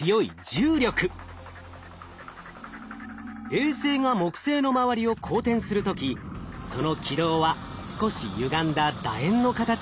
衛星が木星の周りを公転する時その軌道は少しゆがんだ楕円の形をしています。